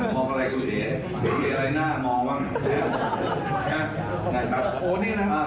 มองอะไรคุณเด๊มองใข่อะไรหน้ามองบ้าง